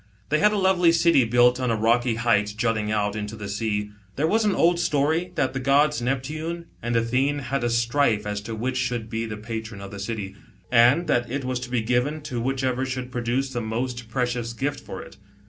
They had a lovely city built on a ,rocky height l jutting out Into the spa. There was an old story that the gods'Npptune and Athene had a strife as to which should be the patron of the city, and that it was to be given to whichever should produce the most precious gift for it.